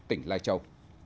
tỉnh lai châu